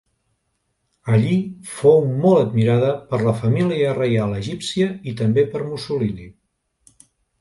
Allí fou molt admirada per la família reial egípcia i també per Mussolini.